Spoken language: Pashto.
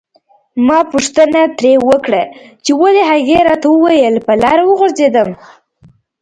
ما پوښتنه ترې وکړه چې ولې هغې راته وویل په لاره وغورځیدم.